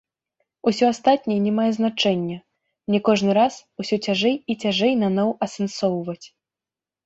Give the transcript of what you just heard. Усё астатняе не мае значэння, мне кожны раз усё цяжэй і цяжэй наноў асэнсоўваць.